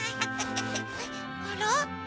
あら？